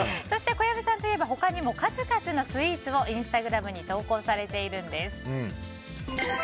そして、小籔さんといえば他にも数々のスイーツをインスタグラムに投稿されているんです。